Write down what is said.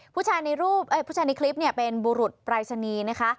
ผู้ชายในคลิปเนี่ยเป็นบุรุษปรายศนีย์นะคะ